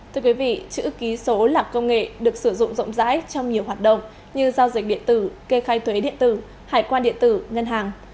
thưa quý vị chữ ký số lạc công nghệ được sử dụng rộng rãi trong nhiều hoạt động như giao dịch điện tử kê khai thuế điện tử hải quan điện tử ngân hàng